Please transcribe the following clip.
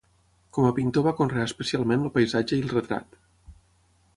Com a pintor va conrear especialment el paisatge i el retrat.